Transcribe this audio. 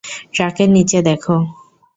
ট্রাকের নিচে দেখো।